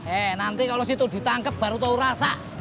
eh nanti kalo situ ditangkep baru tau rasa